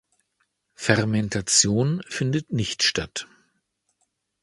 Fermentation findet nicht statt.